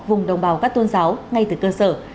vùng đồng bào các tôn giáo ngay từ cơ sở